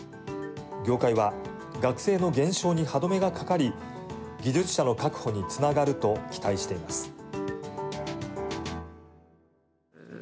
業界は学生の減少に歯止めがかかり技術者の確保につながると期待しています。